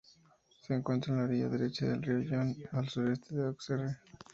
Se encuentra en la orilla derecha del río Yonne, al sureste de Auxerre.